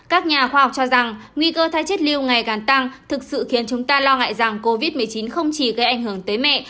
các nhà khoa học cho rằng nguy cơ thái chất lưu ngày càng tăng thực sự khiến chúng ta lo ngại rằng covid một mươi chín không chỉ gây ảnh hưởng tới mẹ